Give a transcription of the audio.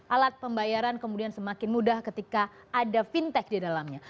alat pembayaran kemudian semakin mudah ketika ada fintech di dalamnya